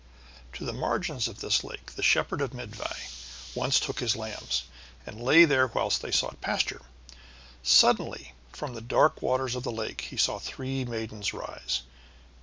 To the margin of this lake the shepherd of Myddvai once led his lambs, and lay there whilst they sought pasture. Suddenly, from the dark waters of the lake, he saw three maidens rise.